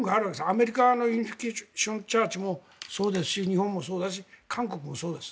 アメリカのチャーチもそうですし日本もそうだし韓国もそうです。